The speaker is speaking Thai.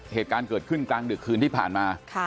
เหตุการณ์เกิดขึ้นกลางดึกคืนที่ผ่านมา